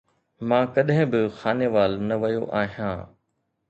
مان ڪڏهن به خانيوال نه ويو آهيان